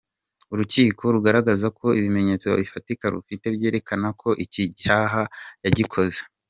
Urukiko rugaragaza ko ibimenyetso bifatika rufite byerekana ko iki cyaha yagikoze.